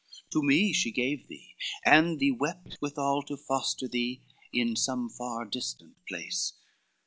XXVI "To me she gave thee, and she wept withal, To foster thee in some far distant place.